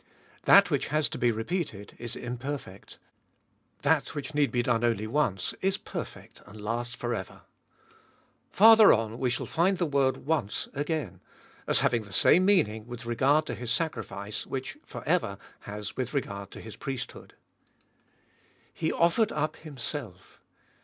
That which has to be repeated is imperfect ; that which need be done only once is perfect and lasts for ever. Farther on we shall find the word once again, as having the same meaning with regard to His sacrifice which for ever has with regard to His priesthood. He offered up Himself.